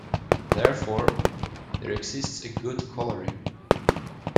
Therefore, there exists a good coloring.